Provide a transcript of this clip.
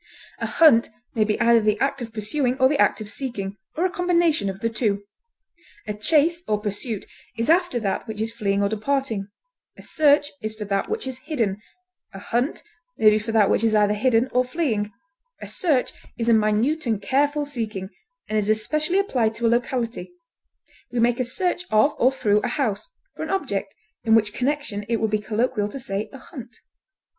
A hunt may be either the act of pursuing or the act of seeking, or a combination of the two. A chase or pursuit is after that which is fleeing or departing; a search is for that which is hidden; a hunt may be for that which is either hidden or fleeing; a search is a minute and careful seeking, and is especially applied to a locality; we make a search of or through a house, for an object, in which connection it would be colloquial to say a hunt.